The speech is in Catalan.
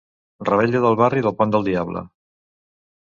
Revetlla del barri del Pont del Diable.